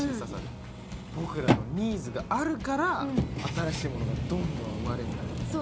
僕らのニーズがあるから新しいものがどんどん生まれるんだね。